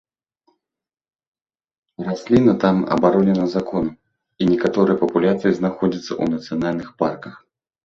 Расліна там абаронена законам, і некаторыя папуляцыі знаходзяцца ў нацыянальных парках.